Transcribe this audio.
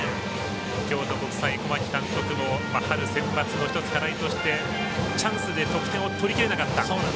京都国際、小牧監督も春センバツの１つ課題としてチャンスで得点を取りきれなかった。